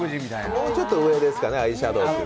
もうちょっと上ですかね、アイシャドウは。